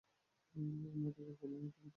এটি এই নাটকের প্রথম নথিভুক্ত মঞ্চায়ন।